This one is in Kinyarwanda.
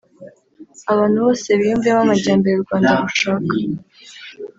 abantu bose biyumvemo amajyambere u Rwanda rushaka